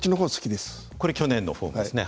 これ去年のフォームですね。